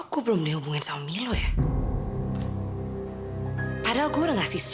kehidupan di jakarta tuh keras